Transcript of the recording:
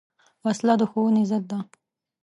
وسله د ښوونې ضد ده